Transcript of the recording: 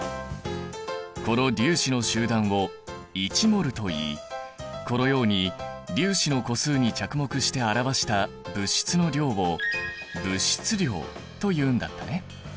この粒子の集団を１ｍｏｌといいこのように粒子の個数に着目して表した物質の量を物質量というんだったね。